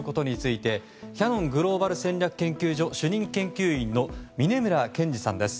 キヤノングローバル戦略研究所主任研究員の峯村健司さんです。